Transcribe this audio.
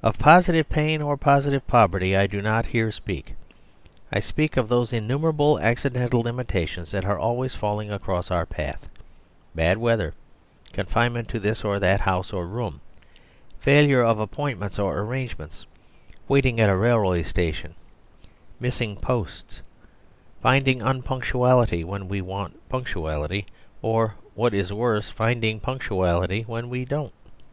Of positive pain or positive poverty I do not here speak. I speak of those innumerable accidental limitations that are always falling across our path bad weather, confinement to this or that house or room, failure of appointments or arrangements, waiting at railway stations, missing posts, finding unpunctuality when we want punctuality, or, what is worse, finding punctuality when we don't.